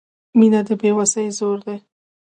• مینه د بې وسۍ زور دی.